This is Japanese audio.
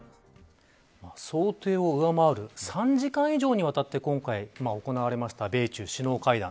想定を上回る３時間以上にわたって今回、行われた米中首脳会談。